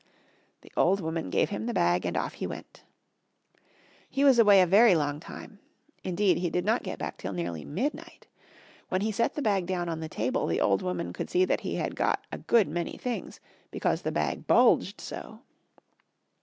The old woman gave him the bag and off he went. He was away a very long time. Indeed he did not get back till nearly midnight. When he set the bag down on the table the old woman could see that he had got a good many things, because the bag bulged so.